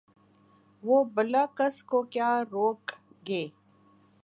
وہ بلا کس کو کیا روک گے